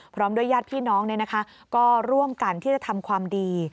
พร้อมด้วยญาติพี่น้องก็ร่วมกันที่จะทำความดี